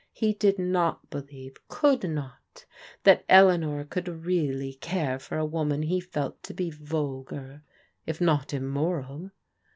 He did not believe— could not — that Eleanor could really care for a woman he felt to be vulgar, if not immoral.